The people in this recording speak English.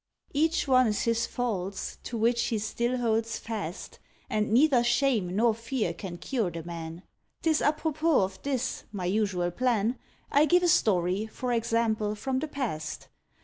Each one's his faults, to which he still holds fast, And neither shame nor fear can cure the man; 'Tis apropos of this (my usual plan), I give a story, for example, from the past.